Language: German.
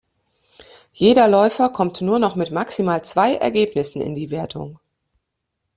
Jeder Läufer kommt nur noch mit maximal zwei Ergebnissen in die Wertung.